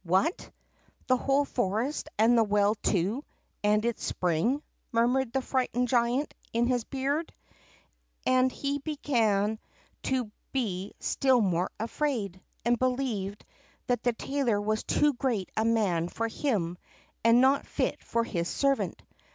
"What! the whole forest, and the well, too, and its spring!" murmured the frightened giant in his beard; and he began to be still more afraid, and believed that the tailor was too great a man for him, and not fit for his servant.